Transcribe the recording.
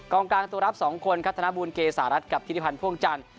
กลางตัวรับ๒คนครับธนบูลเกษารัฐกับธิริพันธ์พ่วงจันทร์